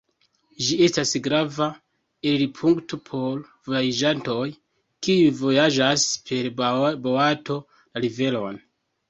Ĝi estas grava elirpunkto por vojaĝantoj, kiuj vojaĝas per boato la riveron.